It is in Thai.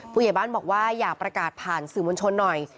ผู้ใหญ่บ้านบอกว่าอยากประกาศผ่านสื่อมวลชนหน่อย